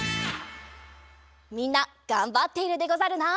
みんながんばっているでござるな！